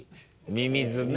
ミミズね。